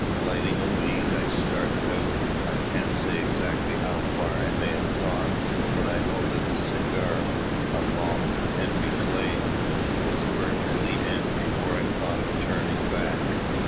Lighting a weed, I started out. I can't say exactly how far I may have gone; but I know that the cigar a long `Henry Clay' was burnt to the end before I thought of turning back.